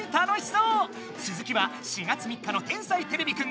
つづきは４月３日の「天才てれびくん」で。